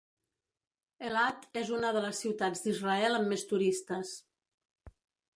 Elat és una de les ciutats d'Israel amb més turistes.